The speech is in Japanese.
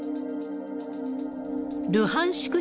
ルハンシク